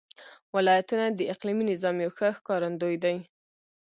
ولایتونه د اقلیمي نظام یو ښه ښکارندوی دی.